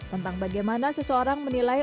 tentang bagaimana seseorang menilai